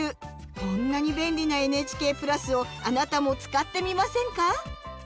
こんなに便利なＮＨＫ＋をあなたも使ってみませんか？